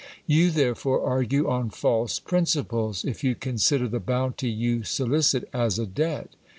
You therefore argue on false principles, if you consider the bounty you solicit as a debt.